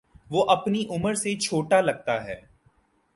وہ اپنی عمر سے چھوٹا لگتا ہے